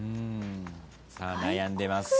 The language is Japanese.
さあ悩んでます。